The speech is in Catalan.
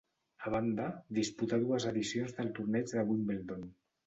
A banda, disputà dues edicions del Torneig de Wimbledon.